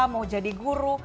mau jadi guru